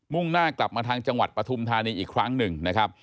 มุ่งหน้ากลับมาทางจังหวัดปฐมธานีอีกครั้งหนึ่ง